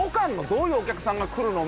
どういうお客さんが来るの？